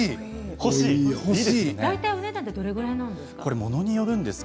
お値段はどのぐらいなんですか？